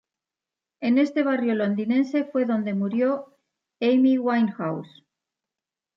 En este barrio londinense fue donde murió Amy Winehouse.